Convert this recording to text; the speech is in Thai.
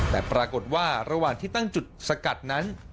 แต่ปรากฏว่าระหว่างที่ตั้งจุดสกัดนั้น